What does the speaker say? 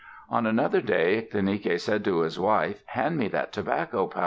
On another day, Ictinike said to his wife, "Hand me that tobacco pouch.